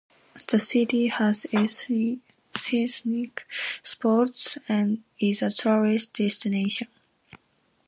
The city has scenic spots and is a tourist destination.